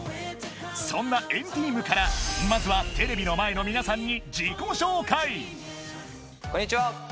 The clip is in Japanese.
そんな＆ＴＥＡＭからまずはテレビの前の皆さんにこんにちは！